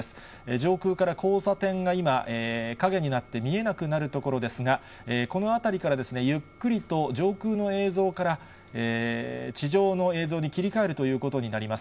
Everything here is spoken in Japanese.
上空から交差点が今、陰になって見えなくなる所ですが、この辺りから、ゆっくりと上空の映像から地上の映像に切り替えるということになります。